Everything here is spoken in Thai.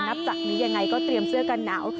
นับจากนี้ยังไงก็เตรียมเสื้อกันหนาว